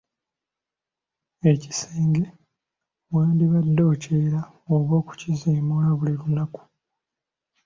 Ekisenge wandibadde okyera oba okukisimuula buli lunaku.